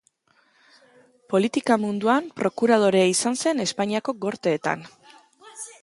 Politika munduan prokuradorea izan zen Espainiako Gorteetan.